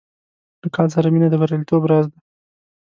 له کار سره مینه د بریالیتوب راز دی.